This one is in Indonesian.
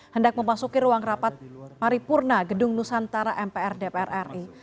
hendak memasuki ruang rapat paripurna gedung nusantara mpr dpr ri